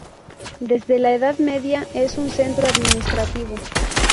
Desde la Edad Media es un centro administrativo.